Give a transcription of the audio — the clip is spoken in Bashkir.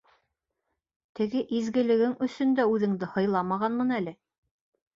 Теге изгелегең өсөн дә үҙеңде һыйламағанмын әле.